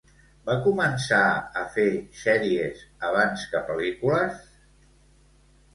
Va començar a fer sèries abans que pel·lícules?